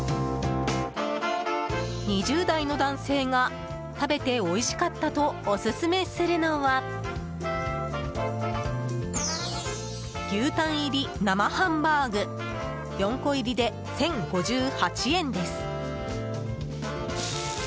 ２０代の男性が、食べておいしかったとオススメするのは牛タン入り生ハンバーグ４個入りで１０５８円です。